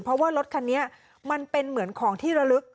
เพราะว่ารถคันนี้มันเป็นเหมือนของที่ระลึก